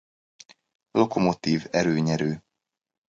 Lokomotív erőnyerő.